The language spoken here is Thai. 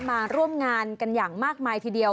มาร่วมงานกันอย่างมากมายทีเดียว